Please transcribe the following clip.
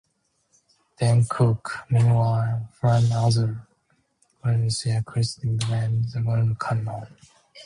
Dan Cook, meanwhile, formed another critically acclaimed band, The Verna Cannon.